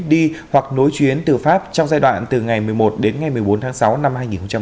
đi hoặc nối chuyến từ pháp trong giai đoạn từ ngày một mươi một đến ngày một mươi bốn tháng sáu năm hai nghìn hai mươi